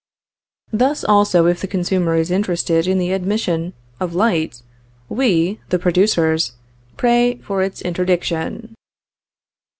Thus, also, if the consumer is interested in the admission of light, we, the producers, pray for its interdiction.